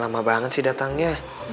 tapi mama lama banget sih datangnya